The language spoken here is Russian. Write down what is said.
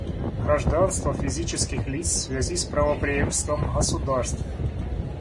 Гражданство физических лиц в связи с правопреемством государств.